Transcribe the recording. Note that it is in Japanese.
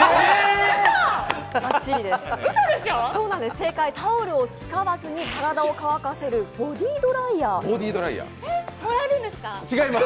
正解はタオルを使わずに体を乾かせるボディードライヤーです。